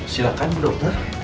silakan bu dokter